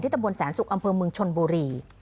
ตำบลแสนสุกอำเภอเมืองชนบุรี